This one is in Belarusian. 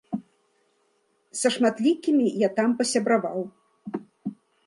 Са шматлікімі я там пасябраваў.